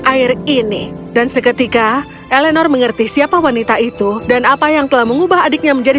air ini dan seketika elenor mengerti siapa wanita itu dan apa yang telah mengubah adiknya menjadi